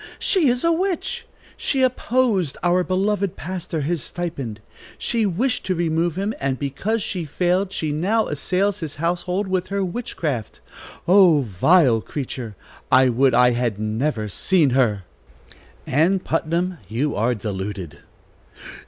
She is a witch! She opposed our beloved pastor his stipend; she wished to remove him, and because she failed, she now assails his household with her witchcraft. Oh, vile creature, I would I had never seen her!" "Ann Putnam, you are deluded."